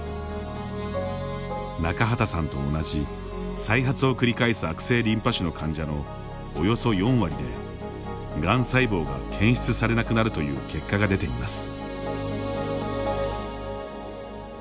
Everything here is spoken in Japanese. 中畠さんと同じ再発を繰り返す悪性リンパ腫の患者のおよそ４割でがん細胞が検出されなくなるという結果が出ています。